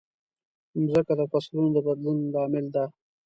مځکه د فصلونو د بدلون لامل ده.